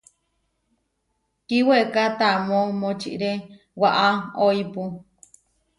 Kíweká tamó močiré waʼá óipu.